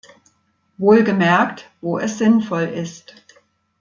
Wohlgemerkt, wo es sinnvoll ist!